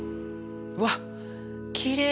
うわっきれい！